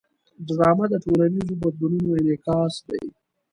ډرامه د ټولنیزو بدلونونو انعکاس دی